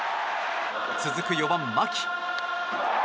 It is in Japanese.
続く４番、牧。